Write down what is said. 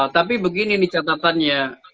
tapi begini nih catatannya